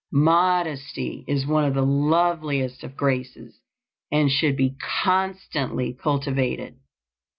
Modesty is one of the loveliest of graces, and should be constantly cultivated.